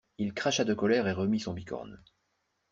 Il cracha de colère et remit son bicorne.